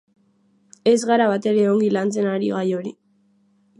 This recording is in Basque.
Ez gara batere ongi lantzen ari gai hori.